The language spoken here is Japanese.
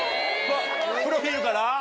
プロフィールから？